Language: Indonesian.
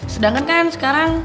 sedangkan kan sekarang